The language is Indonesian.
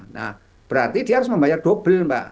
nah berarti dia harus membayar double mbak